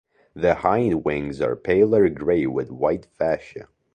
The hindwings are paler grey with white fascia.